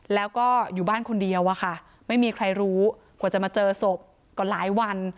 แล้วก็อยู่บ้านคนเดียวอะค่ะไม่มีใครรู้กว่าจะมาเจอศพก็หลายวัน